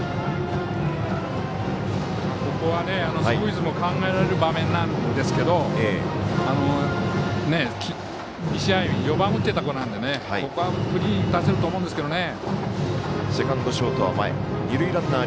ここはスクイズも考えられる場面なんですけど２試合４番を打ってた子なのでここはフリーに打たせると思うんですけどね。